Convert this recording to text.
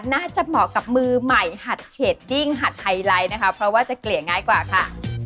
เหมาะกับมือใหม่หัดเชดดิ้งหัดไฮไลท์นะคะเพราะว่าจะเกลี่ยง่ายกว่าค่ะ